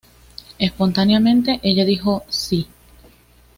Espontáneamente ella dijo "¡Si!".